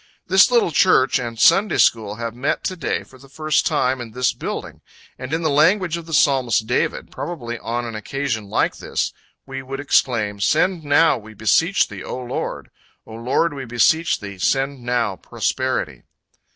This little church and Sunday school have met to day for the first time in this building, and in the language of the Psalmist David, probably on an occasion like this, we would exclaim, "Send now, we beseech thee, O Lord O Lord, we beseech thee, send now prosperity!"